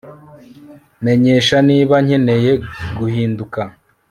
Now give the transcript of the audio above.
Menyesha niba nkeneye guhinduka